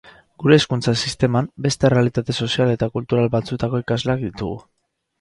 Gure hezkuntza sisteman, beste errealitate sozial eta kultura batzuetako ikasleak ditugu.